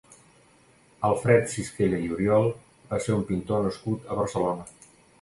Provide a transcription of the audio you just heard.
Alfred Sisquella i Oriol va ser un pintor nascut a Barcelona.